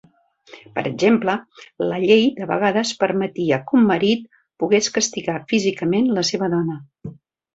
Per exemple, la llei de vegades permetia que un marit pogués castigar físicament la seva dona.